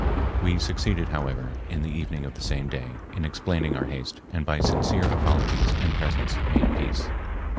We succeeded, however, in the evening of the same day, in explaining our haste, and by sincere apologies and presents made peace.